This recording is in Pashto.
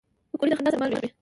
پکورې د خندا سره مل وي